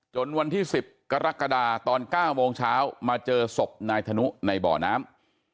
วันที่๑๐กรกฎาตอน๙โมงเช้ามาเจอศพนายธนุในบ่อน้ำ